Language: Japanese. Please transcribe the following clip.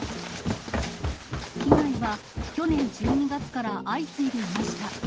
被害は去年１２月から相次いでいました。